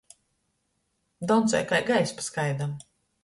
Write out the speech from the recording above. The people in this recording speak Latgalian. Doncoj kai gaiļs pa skaidom.